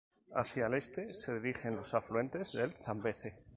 Hacia el este se dirigen los afluentes del Zambeze.